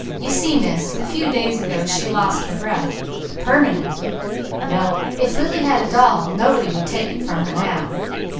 "You see Miss, a few days ago she lost her breath. Permanent! No! If Lily had a doll, nobody would take it from her now."